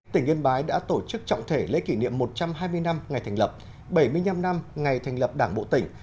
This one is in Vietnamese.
tỉnh yên bái đã tổ chức trọng thể lễ kỷ niệm một trăm hai mươi năm ngày thành lập bảy mươi năm năm ngày thành lập đảng bộ tỉnh